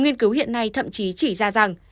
nghiên cứu hiện nay thậm chí chỉ ra rằng